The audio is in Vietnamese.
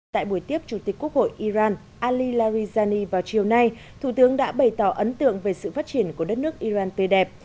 tại buổi tiếp chủ tịch quốc hội iran ali larijani vào chiều nay thủ tướng đã bày tỏ ấn tượng về sự phát triển của đất nước iran tươi đẹp